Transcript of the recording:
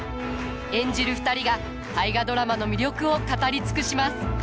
演じる２人が「大河ドラマ」の魅力を語り尽くします。